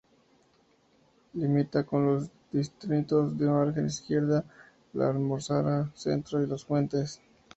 Limita con los distritos de Margen Izquierda, La Almozara, Centro y Las Fuentes.